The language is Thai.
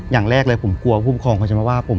อย่างแรกเลยผมกลัวผู้ปกครองเขาจะมาว่าผม